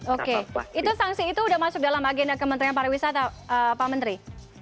oke itu sanksi itu sudah masuk dalam agenda kementerian pariwisata pak menteri